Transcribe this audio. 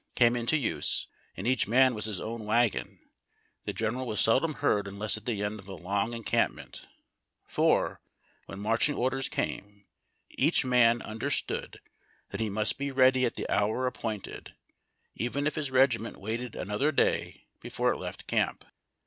337 came into use, and each man was his own wagon, the General was seldom heard unless at the end of a long en campment ; for, when marching orders came, each man understood that he must be ready at the hour appointed, even if his regiment waited another day before it left camp.